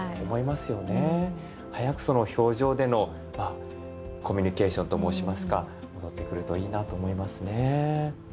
早くその表情でのコミュニケーションと申しますか戻ってくるといいなと思いますね。